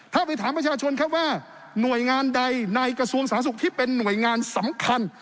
ถ้าไปถามประชาชนครับว่าหน่วยงานใดในกระทรวงสาธารณสุขที่เป็นหน่วยงานสำคัญ